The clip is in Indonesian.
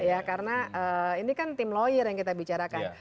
ya karena ini kan tim lawyer yang kita bicarakan